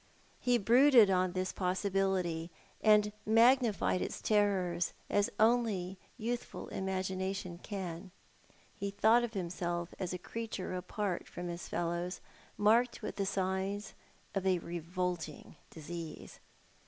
He brooded on this possibility, and magnified its terrors as only youthful imagination can. He thought of himself as a creature apart from his fellows, marked with the signs of a revolting disease.